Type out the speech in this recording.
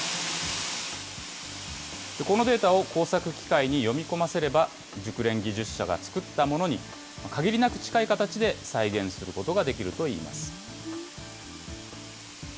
このデータを工作機械に読み込ませれば、熟練技術者が作ったものに限りなく近い形で再現することができるといいます。